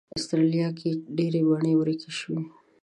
استرالیا کې یې ډېرې بڼې ورکې شوې.